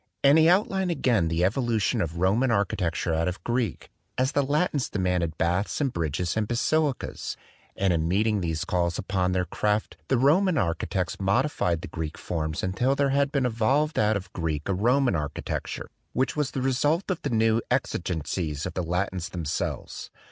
And he outlined again the evolution of Roman architecture out of Greek, as the Latins de manded baths and bridges and basilicas; and in meeting these calls upon their craft the Roman architects modified the Greek forms until there had been evolved out of Greek a Roman archi tecture, which was the result of the new exigen cies of the Latins themselves.